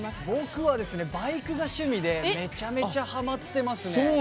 僕はバイクが趣味でめちゃめちゃハマってますね。